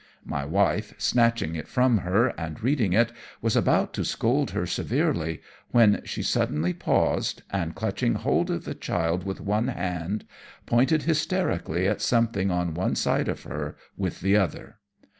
My wife, snatching it from her, and reading it, was about to scold her severely, when she suddenly paused, and clutching hold of the child with one hand, pointed hysterically at something on one side of her with the other.